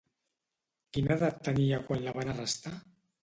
Quina edat tenia quan la van arrestar?